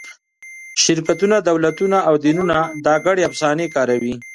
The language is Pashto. شرکتونه، دولتونه او دینونه دا ګډې افسانې کاروي.